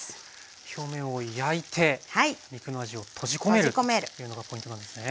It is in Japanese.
表面を焼いて肉の味を閉じ込めるというのがポイントなんですね。